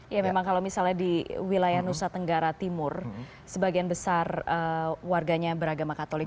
ya memang kalau misalnya di wilayah nusa tenggara timur sebagian besar warganya beragama katolik